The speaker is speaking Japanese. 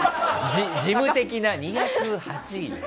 事務的な２０８位。